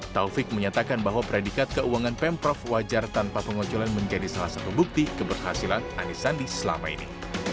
taufik menyatakan bahwa predikat keuangan pemprov wajar tanpa pengonculan menjadi salah satu bukti keberhasilan anisandi selama ini